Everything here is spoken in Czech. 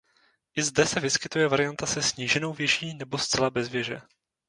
I zde se vyskytuje varianta se sníženou věží nebo zcela bez věže.